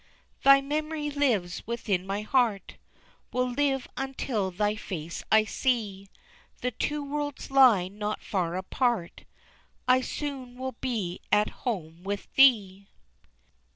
Thy memory lives within my heart, Will live until thy face I see; The two worlds lie not far apart, I soon will be at home with thee.